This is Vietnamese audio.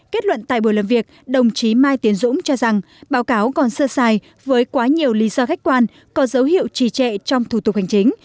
kết luận tại buổi làm việc đồng chí mai tiến dũng cho rằng báo cáo còn sơ sai với quá nhiều lý do khách quan có dấu hiệu trì trệ trong thủ tục hành chính